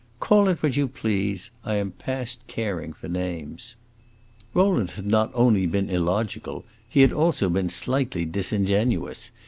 "Call it what you please! I am past caring for names." Rowland had not only been illogical, he had also been slightly disingenuous.